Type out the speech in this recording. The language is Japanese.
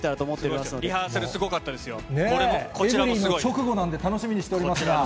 エブリィの直後なんで、楽しみにしております。